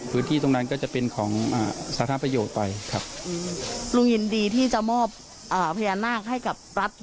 พื้นที่ตรงนั้นก็จะเป็นของสาธารณะประโยชน์ไปครับ